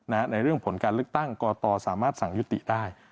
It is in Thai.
ในเรื่องผลการเลือกตั้งกตสามารถสั่งยุติได้